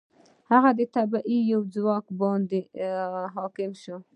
هغه د طبیعت په یو ځواک باندې حاکم شو.